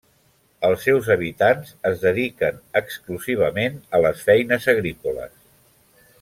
Els seus habitants es dediquen exclusivament a les feines agrícoles.